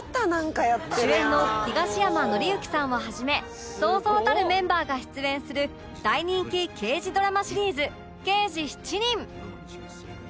主演の東山紀之さんをはじめそうそうたるメンバーが出演する大人気刑事ドラマシリーズ『刑事７人』